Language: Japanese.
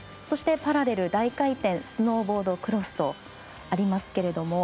そしてパラレル大回転スノーボードクロスとありますが。